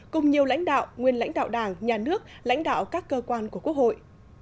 cùng nhiều lãnh đạo nguyên lãnh đạo đảng nhà nước lãnh đạo các cơ quan của quốc hội